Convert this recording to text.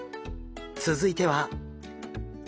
続いては。